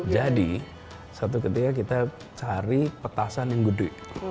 jadi satu ketika kita cari petasan yang gede